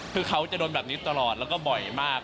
คือเขาจะโดนแบบนี้ตลอดแล้วก็บ่อยมาก